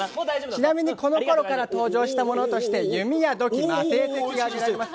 ちなみに、このころから登場したものとして弓や土器などが挙げられます。